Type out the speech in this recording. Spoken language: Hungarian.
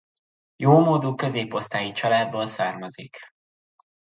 Jómódú középosztályi családból származik.